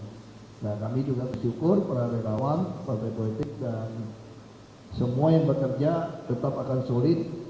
nah kami juga bersyukur para relawan partai politik dan semua yang bekerja tetap akan solid